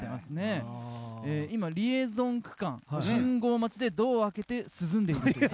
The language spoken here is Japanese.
今、リエゾン区間信号待ちでドアを開けて涼んでいるという。